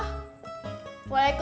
kenapa lo posisinya gitu